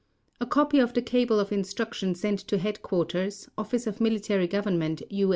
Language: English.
A copy of the cable of instruction sent to Headquarters, Office of Military Government, U.